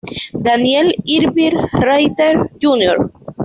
Daniel Irvin Rather Jr.